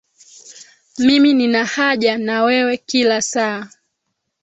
Mimi ninahaja na wewe kila saa